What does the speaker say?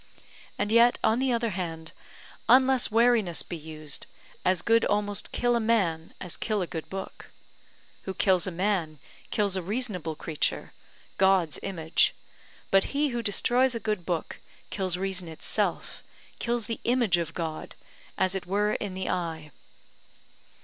And yet, on the other hand, unless wariness be used, as good almost kill a man as kill a good book. Who kills a man kills a reasonable creature, God's image; but he who destroys a good book, kills reason itself, kills the image of God, as it were in the eye.